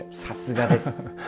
さすがです。